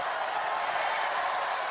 orangnya nggak ada di sini